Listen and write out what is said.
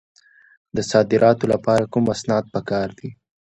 د صادراتو لپاره کوم اسناد پکار دي؟